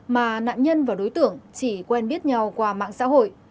mà nạn nhân và đối tượng chỉ quen biết nhau qua mạng xã hội